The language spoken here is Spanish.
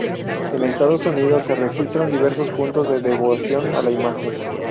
En Estados Unidos se registran diversos puntos de devoción a la imagen.